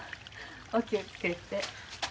お気を付けて。